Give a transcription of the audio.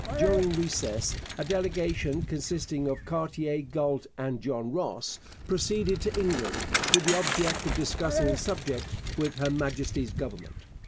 During recess a delegation consisting of Cartier, Galt, and John Ross proceeded to England with the object of discussing the subject with Her Majesty's government.